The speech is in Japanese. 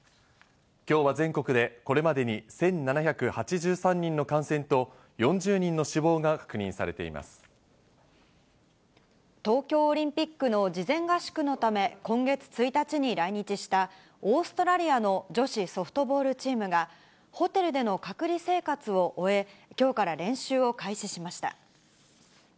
きょうは全国でこれまでに１７８３人の感染と、４０人の死東京オリンピックの事前合宿のため、今月１日に来日したオーストラリアの女子ソフトボールチームが、ホテルでの隔離生活を終え、きょうから練習を開始しました。